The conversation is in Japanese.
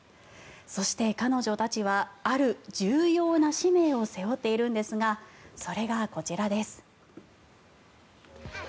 そして彼女たちはある重要な使命を背負っているんですがそれがこちらです。